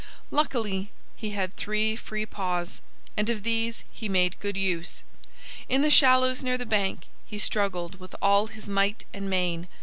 Luckily he had three free paws. And of these he made good use. In the shallows near the bank he struggled with all his might and main.